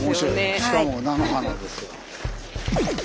しかも菜の花ですよ。